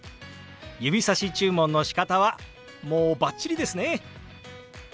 指さし注文のしかたはもうバッチリですね。